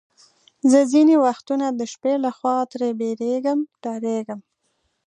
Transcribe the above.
زه ځینې وختونه د شپې له خوا ترې بیریږم، ډارېږم.